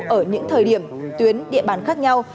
ở những thời điểm tuyến địa bàn khác nhau